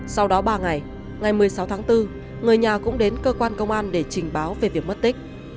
sau đó ba ngày ngày một mươi sáu tháng bốn người nhà cũng đến cơ quan công an để trình báo về việc mất tích